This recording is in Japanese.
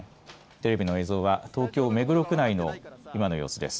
テレビの映像は東京目黒区内の今の様子です。